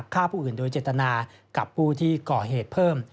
ฆ่าผู้อื่นโดยเจตนากับผู้ที่ก่อเหตุเพิ่ม